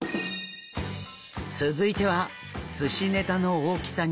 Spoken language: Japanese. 続いては寿司ネタの大きさに身を切ります。